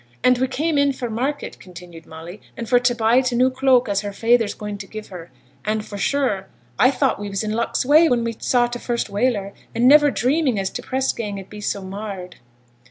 'And we came in for market,' continued Molly, 'and for t' buy t' new cloak as her feyther's going to give her; and, for sure, I thought we was i' luck's way when we saw t' first whaler, and niver dreaming as t' press gang 'ud be so marred.'